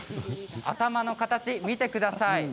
頭の形を見てください。